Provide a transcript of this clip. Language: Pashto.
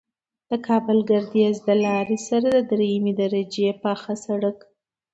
د کابل گردیز د لارې سره د دریمې درجې پاخه سرک